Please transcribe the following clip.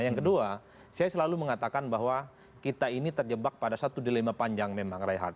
yang kedua saya selalu mengatakan bahwa kita ini terjebak pada satu dilema panjang memang rehat